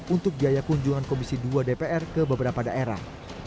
untuk biaya kunjungan komisi dua dpr ke beberapa daerah